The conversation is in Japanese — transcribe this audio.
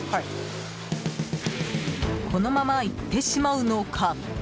このまま行ってしまうのか。